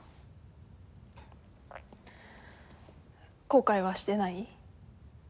後悔はしてない？